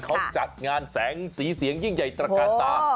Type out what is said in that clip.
เขาจัดงานแสงสีเสียงยิ่งใหญ่ตระกาลตา